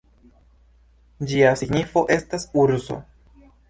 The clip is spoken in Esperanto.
Ĝia signifo estas "urso".